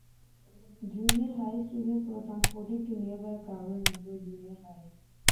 Junior high students were transported to nearby Carver Negro Junior High.